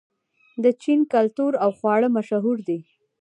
د چین کلتور او خواړه مشهور دي.